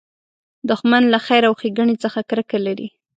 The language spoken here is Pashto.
دښمن له خیر او ښېګڼې څخه کرکه لري